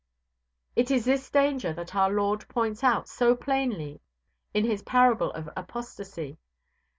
It is this danger that our Lord points out so plainly in His parable of apostasy.